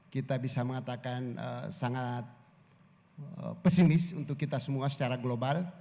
kita bisa mengatakan sangat pesimis untuk kita semua secara global